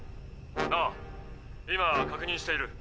ああ今確認している。